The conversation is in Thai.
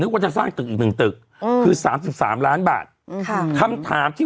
ว่าจะสร้างตึกอีกหนึ่งตึกอืมคือสามสิบสามล้านบาทอืมค่ะคำถามที่